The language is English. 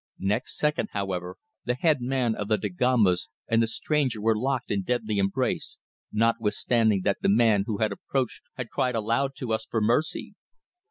Next second, however, the head man of the Dagombas and the stranger were locked in deadly embrace, notwithstanding that the man who had approached cried aloud to us for mercy.